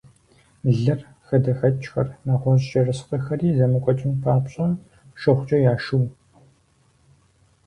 Лыр, хадэхэкӀхэр, нэгъуэщӀ ерыскъыхэри зэмыкӀуэкӀын папщӀэ, шыгъукӀэ яшыу.